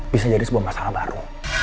bisa jadi sebuah masalah baru